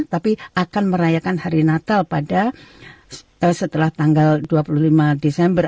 tapi akan merayakan hari natal pada setelah tanggal dua puluh lima desember